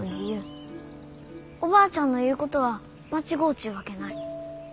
おばあちゃんの言うことは間違うちゅうわけない。